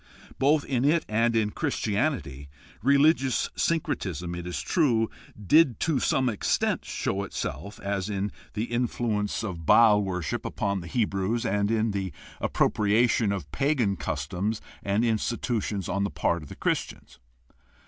Both in it and in Christianity religious syncretism, it is true, did to some extent show itself, as in the influence of Baal worship 48 GUIDE TO STUDY OF CHRISTIAN RELIGION upon the Hebrews and in the appropriation of pagan customs and institutions on the part of the Christians.